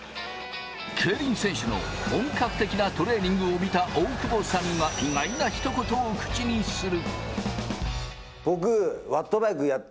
競輪選手の本格的なトレーニングを見た大久保さんが意外なひと言を口にする。